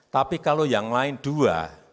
tapi kalau yang lain dua